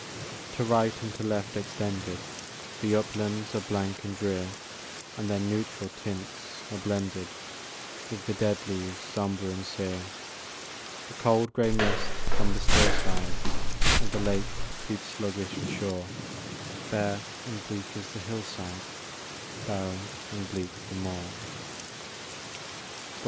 To right and to left extended The uplands are blank and drear, And their neutral tints are blended With the dead leaves sombre and sere; The cold grey mist from the still side Of the lake creeps sluggish and sure, Bare and bleak is the hill side, Barren and bleak the moor.